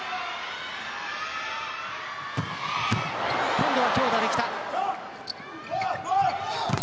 今度は強打できた。